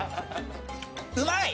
うまい！